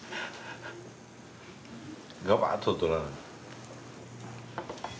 ガバッととらな。